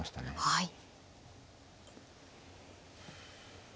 はい。